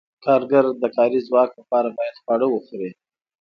کارګر د کاري ځواک لپاره باید خواړه وخوري.